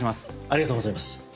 ありがとうございます。